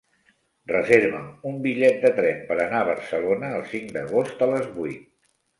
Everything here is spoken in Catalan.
Reserva'm un bitllet de tren per anar a Barcelona el cinc d'agost a les vuit.